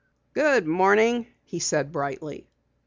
"Good morning," he said brightly.